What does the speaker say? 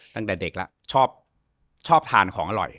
ตั้งแต่เด็กแล้วชอบทานของอร่อย